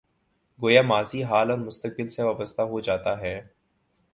گویا ماضی، حال اور مستقبل سے وابستہ ہو جاتا ہے۔